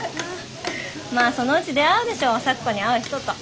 まあそのうち出会うでしょ咲子に合う人と。